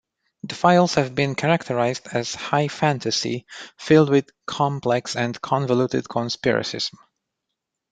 The files have been characterized as "high fantasy" filled with "complex and convoluted conspiracism".